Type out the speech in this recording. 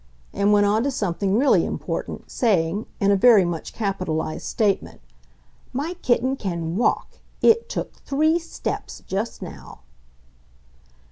and went on to something really important, saying, in a very much capitalized statement, "My kitten can WALK! It took THREE STEPS just now."